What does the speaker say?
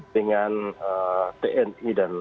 dengan tni dan